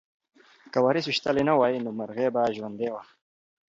که وارث ویشتلی نه وای نو مرغۍ به ژوندۍ وه.